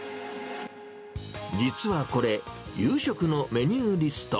実はこれ、夕食のメニューリスト。